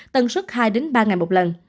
tần suất hai ba ngày một lần